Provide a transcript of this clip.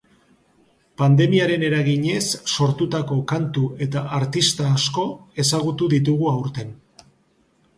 Pandemiaren eraginez sortutako kantu eta artista asko ezagutu ditugu aurten.